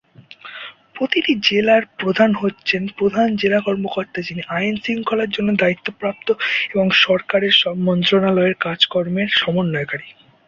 প্রতিটি জেলার প্রধান হচ্ছেন প্রধান জেলা কর্মকর্তা যিনি আইন শৃঙ্খলার জন্য দায়িত্বপ্রাপ্ত এবং সরকারের সব মন্ত্রণালয়ের কাজকর্মের সমন্বয়কারী।